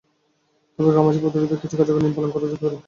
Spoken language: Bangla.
তবে ঘামাচি প্রতিরোধে কিছু কার্যকর নিয়ম পালন করা যেতে পারে।